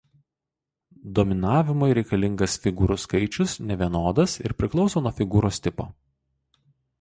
Dominavimui reikalingas figūrų skaičius nevienodas ir priklauso nuo figūros tipo.